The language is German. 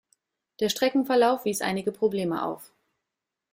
Der Streckenverlauf wies einige Probleme auf.